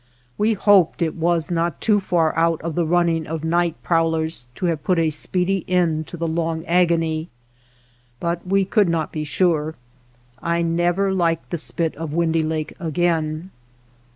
We hoped it was not too far out of the running of night( prowlers to have put a speedy end to the long agony, but we could not be sure. I never liked the spit of Windy Lake again.